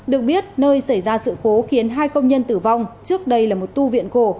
được biết nơi xảy ra sự cố khiến hai công nhân tử vong trước đây là một tu viện cổ